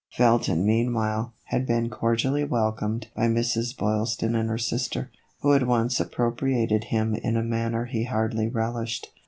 Felton, meanwhile, had been cordially welcomed by Mrs. Boylston and her sister, who at once appro priated him in a manner he hardly relished.